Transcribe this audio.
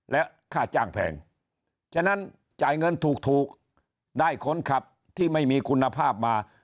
และค่าจ้างแพงฉะนั้นจ่ายเงินถูกได้คนขับที่ไม่มีคุณภาพมา